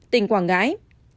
bảy tỉnh quảng ngãi